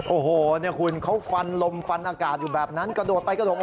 โอ้โหเนี่ยคุณเขาฟันลมฟันอากาศอยู่แบบนั้นกระโดดไปกระโดดมา